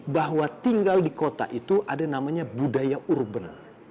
bahwa tinggal di kota itu ada namanya budaya urban